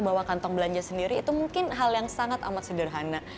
mau belanja kita bawa kantong belanja sendiri itu mungkin hal yang sangat amat sederhana